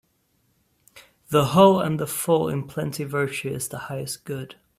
The hull (husk) and the full in plenty Virtue is the highest good